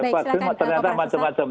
vaksin ternyata macam macam